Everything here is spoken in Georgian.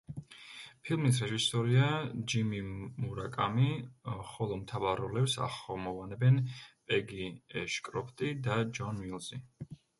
ფილმის რეჟისორია ჯიმი მურაკამი, ხოლო მთავარ როლებს ახმოვანებენ პეგი ეშკროფტი და ჯონ მილზი.